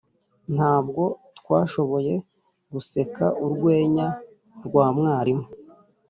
ntabwo twashoboye guseka urwenya rwa mwarimu.